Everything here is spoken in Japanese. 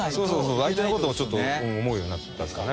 「相手のことをちょっと思うようになったんですかね」